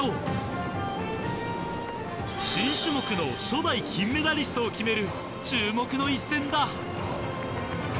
初代金メダリストを決める注目の一戦だ。